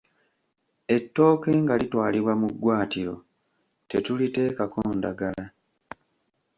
Ettooke nga litwalibwa mu ggwaatiro tetuliteekako ndagala.